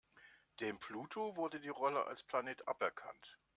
Dem Pluto wurde die Rolle als Planet aberkannt.